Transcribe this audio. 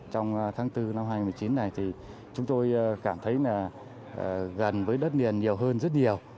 trong tháng bốn năm hai nghìn một mươi chín này thì chúng tôi cảm thấy là gần với đất liền nhiều hơn rất nhiều